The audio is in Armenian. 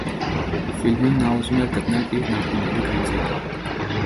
Ֆիլմում նա ուզում էր գտնել իր նախնիների գանձերը։